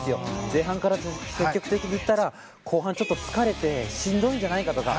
前半から積極的にいったら後半、ちょっと疲れてしんどいんじゃないかとか。